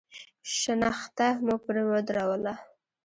شنخته مو پر ودروله.